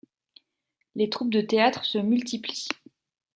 Les troupes de théâtre se multiplient.